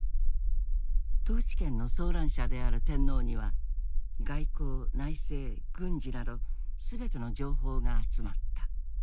統治権の総攬者である天皇には外交内政軍事など全ての情報が集まった。